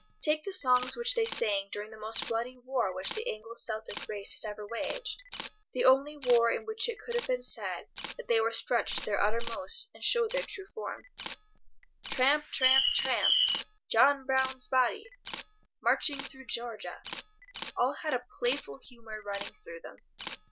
Take the songs which they sang during the most bloody war which the Anglo Celtic race has ever waged—the only war in which it could have been said that they were stretched to their uttermost and showed their true form—"Tramp, tramp, tramp," "John Brown's Body," "Marching through Georgia"—all had a playful humour running through them.